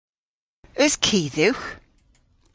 Eus ki dhywgh?